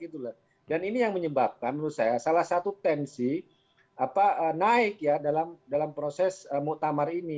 dan ini yang menyebabkan menurut saya salah satu tensi naik ya dalam proses muktamar ini